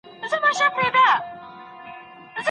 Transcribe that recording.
ولي ځینې پوهان د نومونو توپیر ته پام نه کوي؟